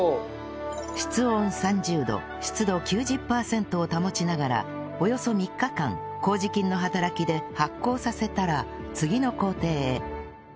室温３０度湿度９０パーセントを保ちながらおよそ３日間麹菌の働きで発酵させたら次の工程へ